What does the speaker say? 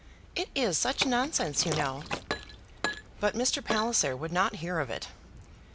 "It is such nonsense, you know." But Mr. Palliser would not hear of it.